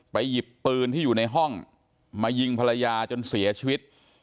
หยิบปืนที่อยู่ในห้องมายิงภรรยาจนเสียชีวิต